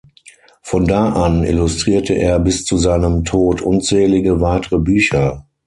Von da an illustrierte er bis zu seinem Tod unzählige weitere Bücher.